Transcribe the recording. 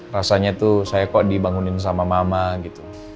rasanya tuh saya kok dibangunin sama mama gitu